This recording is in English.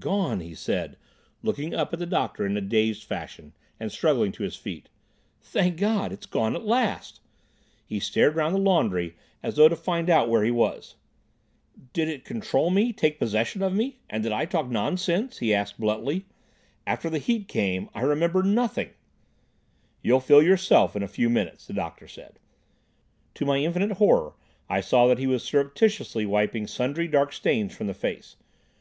"Gone!" he said, looking up at the doctor in a dazed fashion, and struggling to his feet. "Thank God! it's gone at last." He stared round the laundry as though to find out where he was. "Did it control me—take possession of me? Did I talk nonsense?" he asked bluntly. "After the heat came, I remember nothing—" "You'll feel yourself again in a few minutes," the doctor said. To my infinite horror I saw that he was surreptitiously wiping sundry dark stains from the face.